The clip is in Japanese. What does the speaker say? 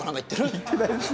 行ってないです。